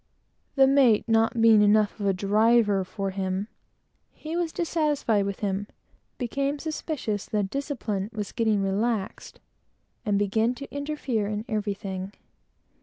The mate not being enough of a driver for him, and being perhaps too easy with the crew, he was dissatisfied with him, became suspicious that discipline was getting relaxed, and began to interfere in everything.